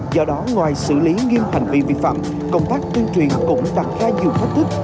do đó ngoài xử lý nghiêm hành vi vi phạm công tác tuyên truyền cũng đặt ra nhiều thách thức